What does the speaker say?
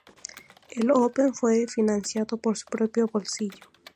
El Open fue financiado por su propio bolsillo.